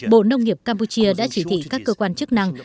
bộ nông nghiệp campuchia đã chỉ thị các cơ quan chức năng